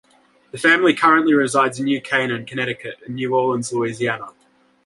The family currently resides in New Canaan, Connecticut and New Orleans, Louisiana.